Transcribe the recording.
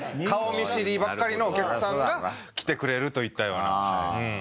顔見知りばっかりのお客さんが来てくれるといったような。